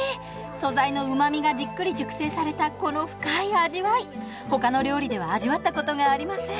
素材のうまみがじっくり熟成されたこの深い味わいほかの料理では味わったことがありません。